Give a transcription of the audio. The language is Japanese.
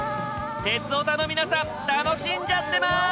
鉄オタの皆さん楽しんじゃってます！